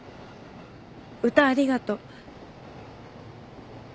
歌ありがとう。